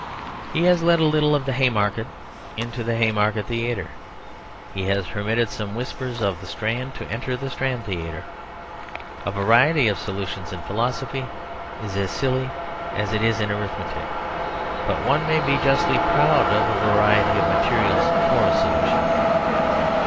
He has let a little of the Haymarket into the Haymarket Theatre. He has permitted some whispers of the Strand to enter the Strand Theatre. A variety of solutions in philosophy is as silly as it is in arithmetic, but one may be justly proud of a variety of materials for a solution.